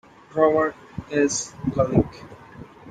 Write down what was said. Robert S. Guelich.